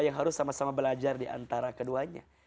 yang harus sama sama belajar diantara keduanya